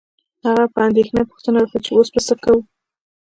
هغه په اندیښنه پوښتنه وکړه چې اوس به څه کوو